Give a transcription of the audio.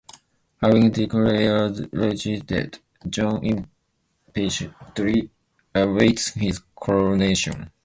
Having declared Richard dead, John impatiently awaits his coronation.